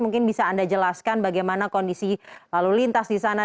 mungkin bisa anda jelaskan bagaimana kondisi lalu lintas di sana